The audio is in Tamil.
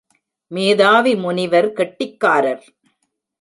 மேதாவி முனிவர் கெட்டிக்காரர்.